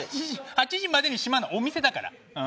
８時までに閉まるのはお店だから。